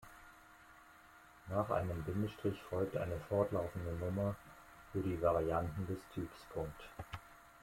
Nach einem Bindestrich folgte eine fortlaufende Nummer für die Varianten des Typs.